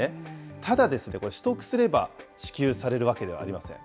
ただですね、これ、取得すれば支給されるわけではありません。